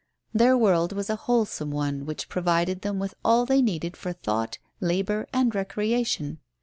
Their world was a wholesome one which provided them with all they needed for thought, labour and recreation.